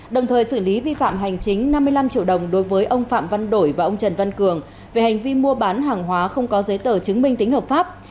đồng thời xử lý vi phạm hành chính năm mươi năm triệu đồng đối với ông phạm văn đổi và ông trần văn cường về hành vi mua bán hàng hóa không có giấy tờ chứng minh tính hợp pháp